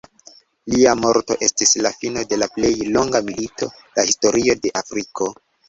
Lia morto estis la fino de la plej longa milito la historio de Afriko.